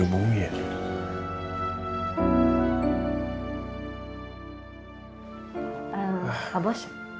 saya mau berbicara sama pak bos